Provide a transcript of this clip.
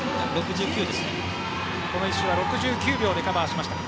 この１周は６９秒でカバーしました。